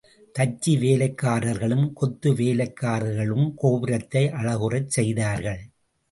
தச்சு வேலைக்காரர்களும் கொத்துவேலைக்காரர்களும், கோபுரத்தை அழகுறச் செய்தார்கள்.